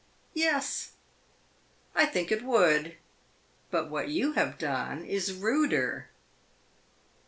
"Yes, I think it would. But what you have done is ruder."